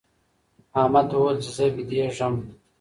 احمد وویل چي زه بېدېږم.